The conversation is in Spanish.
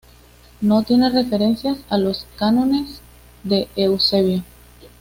No tiene referencias a los Cánones de Eusebio.